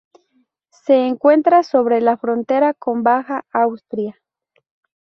Se encuentra sobre la frontera con Baja Austria.